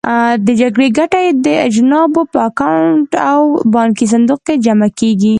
د جګړې ګټه یې د اجانبو په اکاونټ او بانکي صندوق کې جمع کېږي.